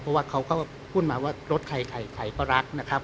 เพราะว่าเขาก็พูดมาว่ารถใครใครก็รักนะครับ